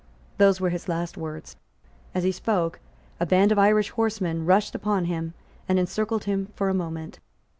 Those were his last words. As he spoke, a band of Irish horsemen rushed upon him and encircled him for a moment.